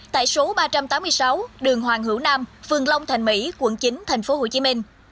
tại số ba trăm tám mươi sáu đường hoàng hữu nam phường long thành mỹ quận chín thành phố hồ chí minh